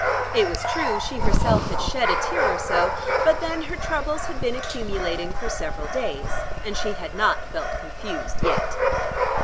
It was true, she herself had shed a tear or so, but then her troubles had been accumulating for several days; and she had not felt confused yet.